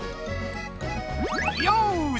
よし！